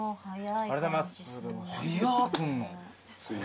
ありがとうございます。